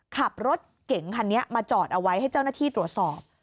ขับรถเก่งคันนี้มาจอดเอาไว้ให้เจ้าหน้าที่ตรวจสอบ